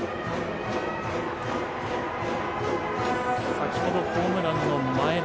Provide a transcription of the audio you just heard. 先ほどホームランの前田。